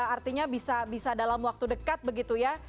artinya bisa dalam waktu dekat begitu ya